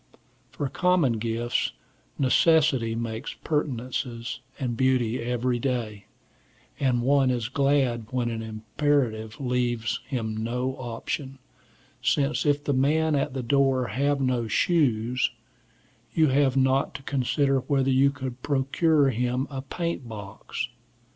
For common gifts, necessity makes pertinences and beauty every day, and one is glad when an imperative leaves him no option, since if the man at the door have no shoes, you have not to consider whether you could procure him a paint box.